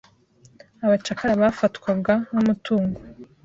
Abacakara bafatwaga nkumutungo.